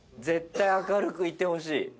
絶対明るくいてほしい。